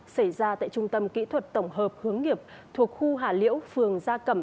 xảy ra tại trung tâm kỹ thuật tổng hợp hướng nghiệp thuộc khu hà liễu phường gia cẩm